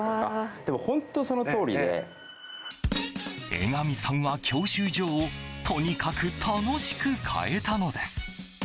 江上さんは、教習所をとにかく楽しく変えたのです。